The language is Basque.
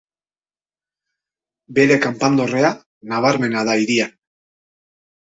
Bere kanpandorrea nabarmena da hirian.